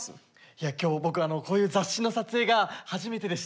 いや今日僕こういう雑誌の撮影が初めてでして。